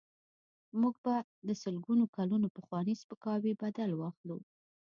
موږ به د سلګونو کلونو پخواني سپکاوي بدل واخلو.